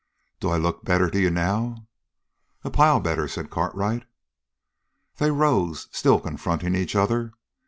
"Do I look better to you now?" "A pile better," said Cartwright. They rose, still confronting each other.